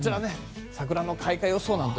桜の開花予想です。